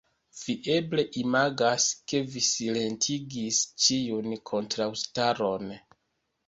Vi eble imagas, ke vi silentigis ĉiun kontraŭstaron.